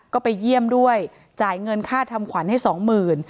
ก็ไปเยี่ยมด้วยจ่ายเงินค่าทำขวัญให้สองหมื่น